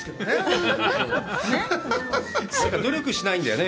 努力しないんだよね。